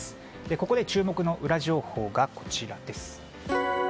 ここで注目のウラ情報がこちらです。